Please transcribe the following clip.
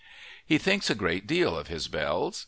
He thinks a great deal of his bells.